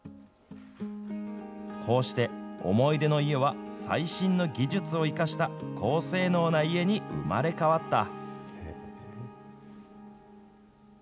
こうして思い出の家は最新の技術を生かした高性能な家に生まれ変わった。